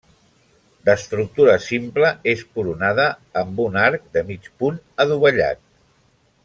D'estructura simple, és coronada amb un arc de mig punt adovellat.